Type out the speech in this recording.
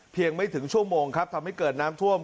ไม่ถึงชั่วโมงครับทำให้เกิดน้ำท่วม